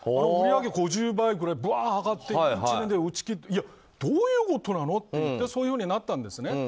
売上５０倍くらい上がって１年で打ち切りってどういうことなのってそういうふうになったんですね。